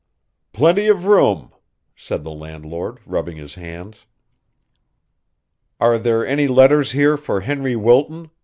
"Plenty of room," said the landlord rubbing his hands. "Are there any letters here for Henry Wilton?"